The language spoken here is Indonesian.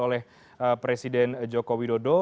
oleh presiden joko widodo